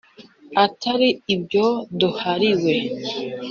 atari ibyo duhariwe